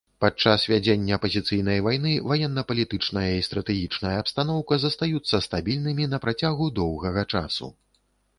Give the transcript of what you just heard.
Падчас вядзення пазіцыйнай вайны ваенна-палітычная і стратэгічная абстаноўка застаюцца стабільнымі на працягу доўгага часу.